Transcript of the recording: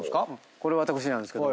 これ私なんですけど。